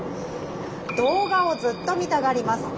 「動画をずっと見たがります。